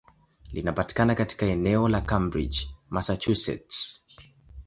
Linapatikana katika eneo la Cambridge, Massachusetts.